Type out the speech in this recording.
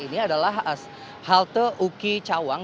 ini adalah halte uki cawang